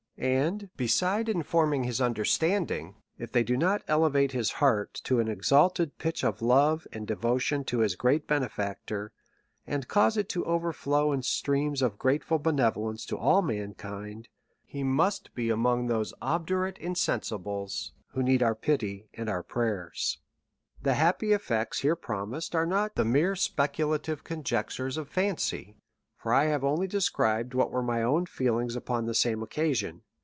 And, beside informing his under standing, if they do not elevate his heart to an exalted pitch of love and devotion to his great benefactor, and cause it to overflow in streams of grateful benevo lence to all mankind, he must be among those obdu rate insensibles, who need our pity and our prayers. * This afld the preceding Letter originally appeared in Lloyd's Evening Pu^. THE REV. Vf. LAW. XXI " The happy effects here promised arc not the mere speculative conjectures of fancy, for 1 have only described what were my own feelings upon the same occasion.